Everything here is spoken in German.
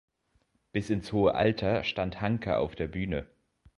Bis ins hohe Alter stand Hanka auf der Bühne.